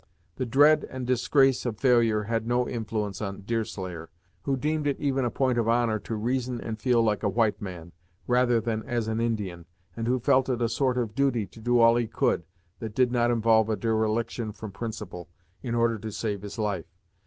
The dread and disgrace of failure had no influence on Deerslayer, who deemed it even a point of honor to reason and feel like a white man, rather than as an Indian, and who felt it a sort of duty to do all he could that did not involve a dereliction from principle, in order to save his life.